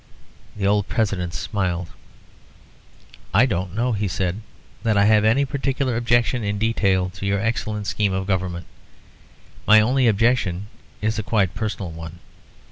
The old President smiled. "I don't know," he said, "that I have any particular objection in detail to your excellent scheme of Government. My only objection is a quite personal one.